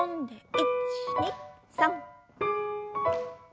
１２３。